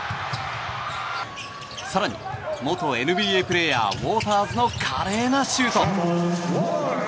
更に、元ＮＢＡプレーヤーウォーターズの華麗なシュート！